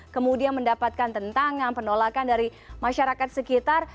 kemudian mendapatkan tentangan penolakan dari masyarakat sekitar